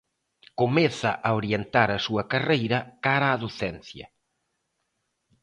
Comeza a orientar a súa carreira cara á docencia.